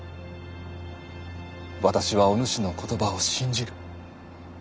私はおぬしの言葉を信じる。